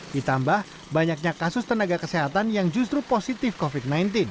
ditambah banyaknya kasus tenaga kesehatan yang justru positif covid sembilan belas